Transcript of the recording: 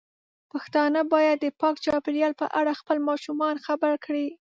پښتانه بايد د پاک چاپیریال په اړه خپل ماشومان خبر کړي.